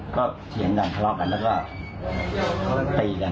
ก็เถียงกันทะเลาะกันแล้วก็ตีกัน